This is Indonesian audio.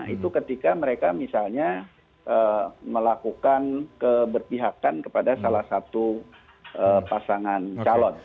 itu ketika mereka misalnya melakukan keberpihakan kepada salah satu pasangan calon